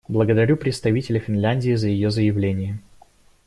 Благодарю представителя Финляндии за ее заявление.